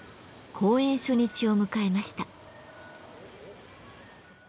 公演初日を迎えました。